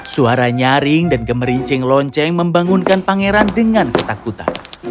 suara nyaring dan gemerincing lonceng membangunkan pangeran dengan ketakutan